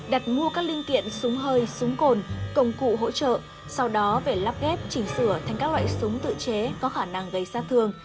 đặt mua các linh kiện súng hơi súng cồn công cụ hỗ trợ sau đó về lắp ghép chỉnh sửa thành các loại súng tự chế có khả năng gây sát thương